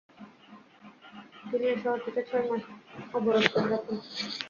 তিনি এ শহরটিকে ছয় মাস অবরোধ করে রাখেন।